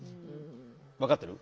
分かってる？